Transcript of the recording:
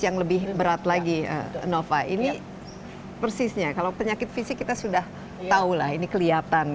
yang lebih berat lagi nova ini persisnya kalau penyakit fisik kita sudah tahu lah ini kelihatan